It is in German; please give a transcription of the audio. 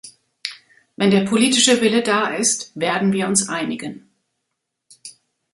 Wenn der politische Wille da ist, werden wir uns einigen.